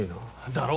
だろ？